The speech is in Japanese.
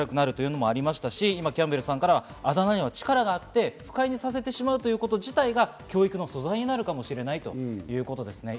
キャンベルさんからは、あだ名には力があって不快にさせてしまうということ自体が教育の素材になるかもしれないということですね。